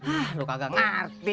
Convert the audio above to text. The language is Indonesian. ah lu kagak ngarti